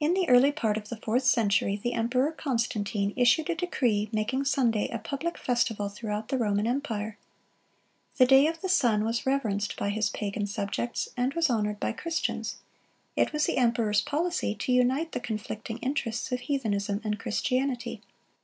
In the early part of the fourth century, the emperor Constantine issued a decree making Sunday a public festival throughout the Roman empire.(77) The day of the sun was reverenced by his pagan subjects, and was honored by Christians; it was the emperor's policy to unite the conflicting interests of heathenism and Christianity.